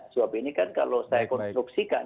suap ini kan kalau saya konstruksikan